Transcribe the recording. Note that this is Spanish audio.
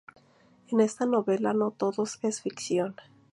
En esta novela no todo es ficción.